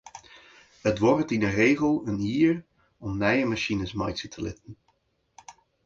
It duorret yn de regel in jier om nije masines meitsje te litten.